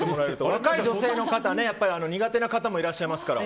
若い女性の方苦手な方もいらっしゃいますから。